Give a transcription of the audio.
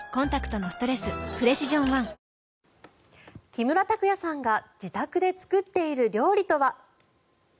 木村拓哉さんが自宅で作っている料理とは。